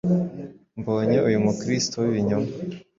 Mbonye uyu Kristo Wibinyoma,